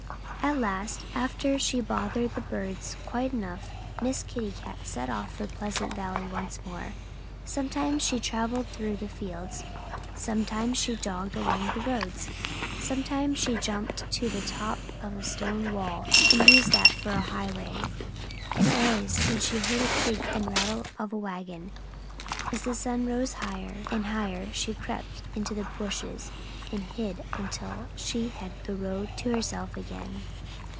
At last, after she had bothered the birds quite enough, Miss Kitty Cat set off for Pleasant Valley once more. Sometimes she travelled through fields; sometimes she jogged along the roads; sometimes she jumped to the top of a stone wall and used that for a highway. And always when she heard the creak and rattle of a wagon, as the sun rose higher and higher, she crept into the bushes and hid until she had the road to herself again.